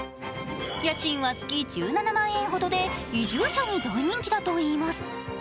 家賃は月１７万円ほどで移住者に大人気だといいます。